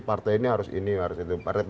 partai ini harus ini harus itu partai